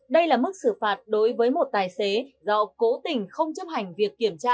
đây là mức xử phạt đối với một tài xế do cố tình không chấp hành việc kiểm tra